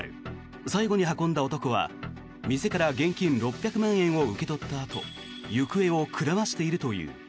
最後に運んだ男は店から現金６００万円を受け取ったあと行方をくらましているという。